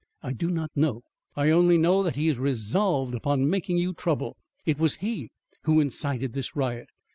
"I do not know. I only know that he is resolved upon making you trouble. It was he who incited this riot.